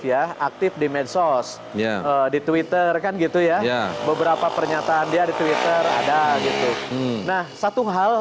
ya aktif di medsos ya di twitter kan gitu ya beberapa pernyataan dia di twitter ada gitu nah satu hal